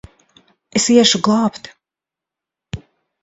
Es iešu glābt!